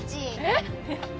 えっ？